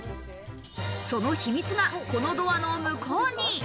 その秘密が、このドアの向こうに。